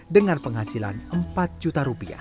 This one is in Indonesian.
dengan penghasilan empat juta rupiah